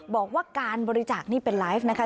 บอกว่าการบริจาคนี่เป็นไลฟ์นะคะ